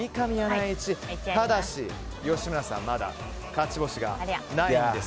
ただし吉村さんは、まだ勝ち星がないんです。